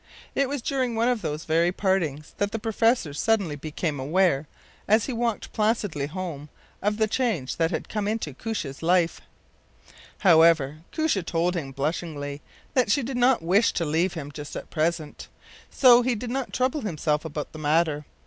It was during one of those very partings that the professor suddenly became aware, as he walked placidly home, of the change that had come into Koosje’s life. However, Koosje told him blushingly that she did not wish to leave him just at present; so he did not trouble himself about the matter.